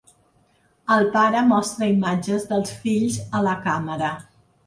El pare mostra imatges dels fills a la càmera.